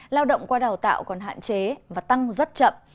lao động qua đào tạo còn hạn chế và tăng rất chậm